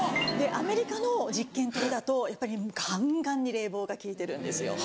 アメリカの実験棟だとやっぱりガンガンに冷房が効いてるんですよ。